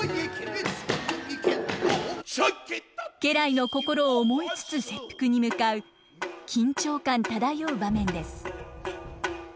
家来の心を思いつつ切腹に向かう緊張感漂う場面です。